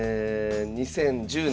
２０１０年。